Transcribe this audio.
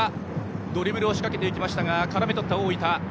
ドリブルを仕掛けていったが絡めとった大分。